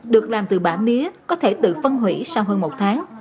được làm từ bã mía có thể tự phân hủy sau hơn một tháng